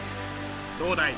どうだい？